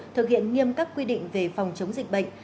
thực hiện nghiêm các quy định về phòng chống dịch bệnh